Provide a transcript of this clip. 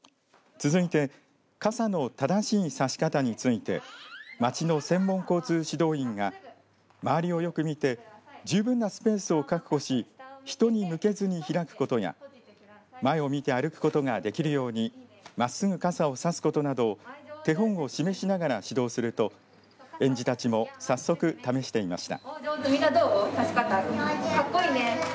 続いて傘の正しい差し方について町の専門交通指導員が周りをよく見て十分なスペースを確保し人に向けずに開くことや前を見て歩くことができるようにまっすぐ傘を差すことなどを手本を示しながら指導すると園児たちも早速試していました。